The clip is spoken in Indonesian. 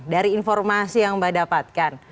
dari informasi yang mbak dapatkan